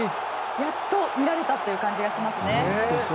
やっと見られたという感じがしますね。